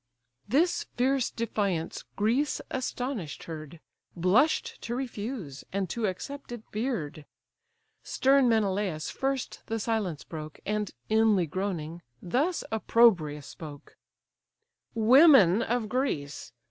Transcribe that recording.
This fierce defiance Greece astonish'd heard, Blush'd to refuse, and to accept it fear'd. Stern Menelaus first the silence broke, And, inly groaning, thus opprobrious spoke: "Women of Greece!